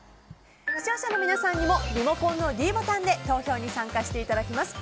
視聴者の皆さんにもリモコンのｄボタンで投票に参加していただきます。